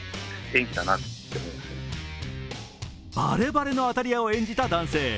バレバレの当たり屋を演じた男性。